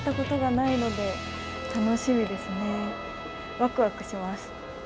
ワクワクします。